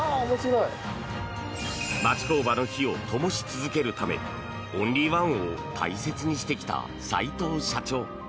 町工場の灯をともし続けるためオンリーワンを大切にしてきた斎藤社長。